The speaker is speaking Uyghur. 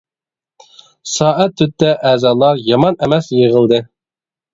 سائەت تۆتتە ئەزالار يامان ئەمەس يىغىلدى.